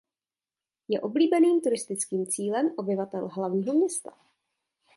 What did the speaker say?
Je oblíbeným turistickým cílem obyvatel hlavního města.